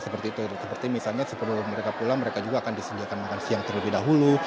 seperti itu seperti misalnya sebelum mereka pulang mereka juga akan disediakan makan siang terlebih dahulu